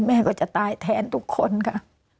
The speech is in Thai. แม่ก็จะตายแทนทุกคนค่ะ